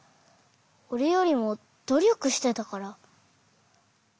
おれよりもどりょくしてたから。